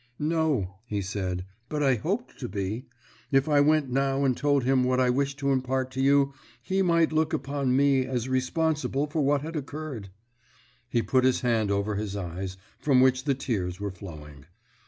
"No," he said, "but I hoped to be. If I went now and told him what I wish to impart to you, he might look upon me as responsible for what has occurred." He put his hand over his eyes, from which the tears were flowing.